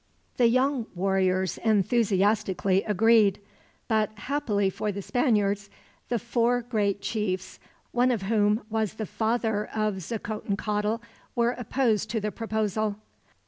The young warriors enthusiastically agreed; but, happily for the Spaniards, the four great chiefs, one of whom was the father of Xicotencatl, were opposed to the proposal.